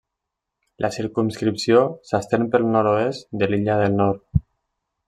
La circumscripció s'estén pel nord-oest de l'illa del Nord.